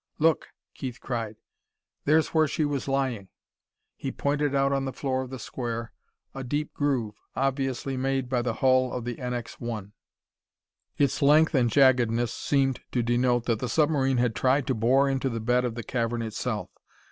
"Look!" Keith cried. "There's where she was lying!" He pointed out on the floor of the square a deep groove, obviously made by the hull of the NX 1. Its length and jaggedness seemed to denote that the submarine had tried to bore into the bed of the cavern itself.